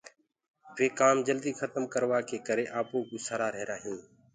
وي ڪآم جلدي کتم ڪروآ ڪي ڪري آپو ڪوُ سرآ رهيرآ هينٚ۔